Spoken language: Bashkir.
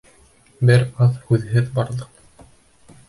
Бер аҙ һүҙһеҙ барҙыҡ.